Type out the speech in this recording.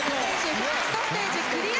ファーストステージクリア！